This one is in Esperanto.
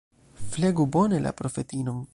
Flegu bone la profetinon.